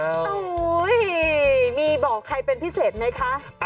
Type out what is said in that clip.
โอ้โหมีบอกใครเป็นพิเศษไหมคะ